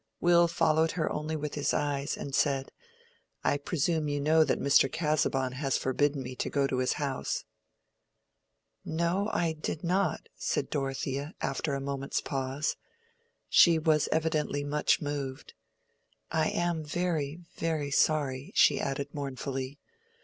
Will followed her only with his eyes and said, "I presume you know that Mr. Casaubon has forbidden me to go to his house." "No, I did not," said Dorothea, after a moment's pause. She was evidently much moved. "I am very, very sorry," she added, mournfully.